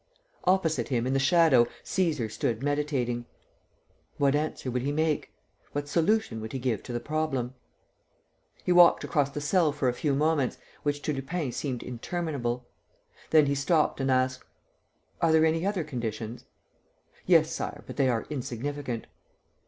Opposite him, in the shadow, Cæsar stood meditating. What answer would he make? What solution would he give to the problem? He walked across the cell for a few moments, which to Lupin seemed interminable. Then he stopped and asked: "Are there any other conditions?" "Yes, Sire, but they are insignificant."